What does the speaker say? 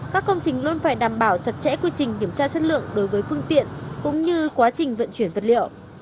các công trình luôn phải đảm bảo chặt chẽ quy trình kiểm tra chất lượng đối với phương tiện cũng như quá trình vận chuyển vật liệu